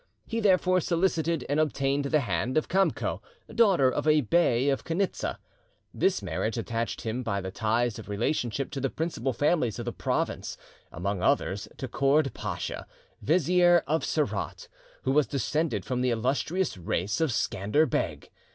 He therefore solicited and obtained the hand of Kamco, daughter of a bey of Conitza. This marriage attached him by the ties of relationship to the principal families of the province, among others to Kourd Pacha, Vizier of Serat, who was descended from the illustrious race of Scander Beg.